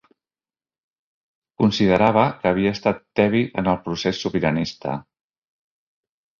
Considerava que havia estat ‘tebi’ amb el procés sobiranista.